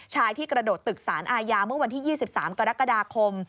ที่กระโดดตึกสารอาญาเมื่อวันที่๒๓กรกฎาคม